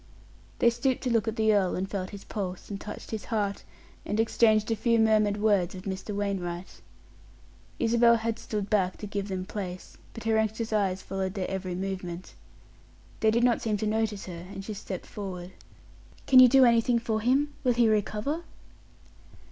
They stooped to look at the earl, and felt his pulse, and touched his heart, and exchanged a few murmured words with Mr. Wainwright. Isabel had stood back to give them place, but her anxious eyes followed their every movement. They did not seem to notice her, and she stepped forward. "Can you do anything for him? Will he recover?"